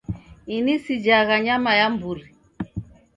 Ini sijagha nyama ya mburi